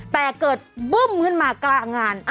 แต่เกิดบึ้มขึ้นมากลางงาน